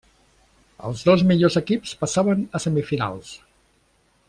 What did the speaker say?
Els dos millors equips passaven a semifinals.